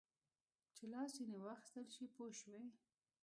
چې لاس ځینې واخیستل شي پوه شوې!.